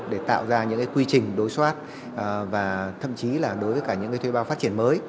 để tạo ra những quy trình đối soát và thậm chí là đối với cả những thuê bao phát triển mới